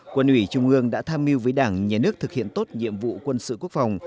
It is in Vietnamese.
quân ủy trung ương đã tham mưu với đảng nhà nước thực hiện tốt nhiệm vụ quân sự quốc phòng